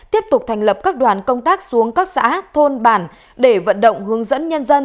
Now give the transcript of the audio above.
tiếp tục thành lập các đoàn công tác xuống các xã thôn bản để vận động hướng dẫn nhân dân